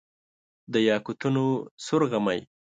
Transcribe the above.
د یاقوتو سور غمی،